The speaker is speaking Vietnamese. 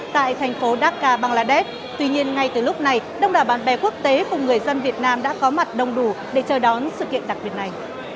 tại thành phố dhaka bangladesh tuy nhiên ngay từ lúc này đông đảo bạn bè quốc tế cùng người dân việt nam đã có mặt đông đủ để chờ đón sự kiện đặc biệt này